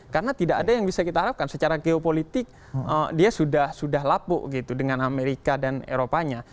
karena tidak ada yang bisa kita harapkan secara geopolitik dia sudah lapuk gitu dengan amerika dan eropanya